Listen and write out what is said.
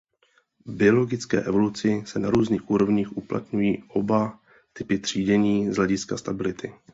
V biologické evoluci se na různých úrovních uplatňují oba typy třídění z hlediska stability.